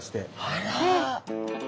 あら。